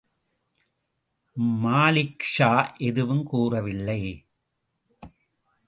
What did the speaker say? மாலிக்ஷா எதுவும் கூறவில்லை.